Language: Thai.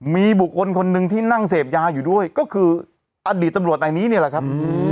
มีบุคคลคนหนึ่งที่นั่งเสพยาอยู่ด้วยก็คืออดีตตำรวจในนี้เนี่ยแหละครับ